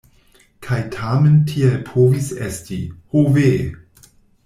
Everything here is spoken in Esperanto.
Kaj tamen tiel povis esti: ho ve!